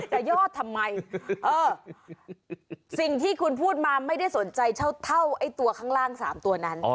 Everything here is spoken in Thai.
ยอดทำไมเออสิ่งที่คุณพูดมาไม่ได้สนใจเท่าไอ้ตัวข้างล่าง๓ตัวนั้น